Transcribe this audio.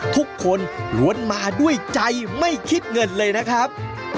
ทุกคนล้วนมาด้วยใจไม่คิดเงินเลยนะครับ